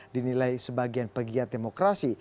dinilai sebagian pegiat demokrasi